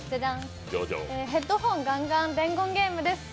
「ヘッドホンガンガン伝言ゲーム」です！